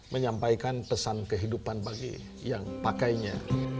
menyampaikan pesan kehidupan bagi yang pakainya